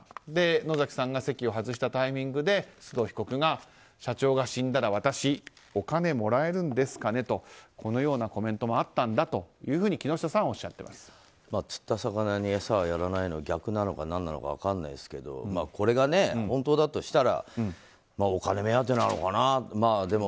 野崎さんが席を外したタイミングで須藤被告が社長が死んだら私、お金もらえるんですかねとこのようなコメントもあったんだと木下さんは釣った魚に餌はやらないの逆なのか何なのか分からないですがこれが本当だとしたらお金目当てなのかなって。